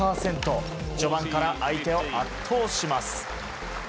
序盤から相手を圧倒します。